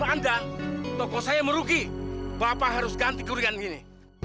anda toko saya merugi bapak harus ganti kerugian gini